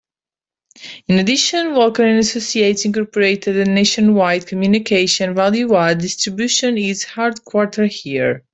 In addition, Walker and Associates, Incorporated a nationwide communication value-add distribution is headquarter here.